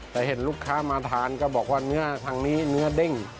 แต่เห็นลูกค้ามาทานก็บอกว่าเนื้อทางนี้เนื้อเด้ง